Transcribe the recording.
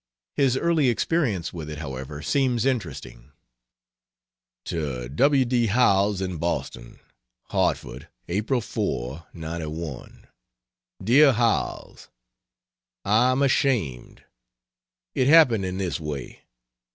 His early experience with it, however, seems interesting. To W. D. Howells, in Boston: HARTFORD, Apl. 4, '91. DEAR HOWELLS, I'm ashamed. It happened in this way.